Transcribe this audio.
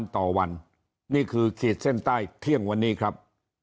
ทุกคนต้องรุ้นกันวันต่อวันนี่คือขีดเส้นใต้เที่ยงวันนี้ครับ